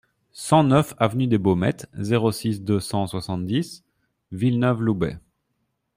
cent neuf avenue des Baumettes, zéro six, deux cent soixante-dix Villeneuve-Loubet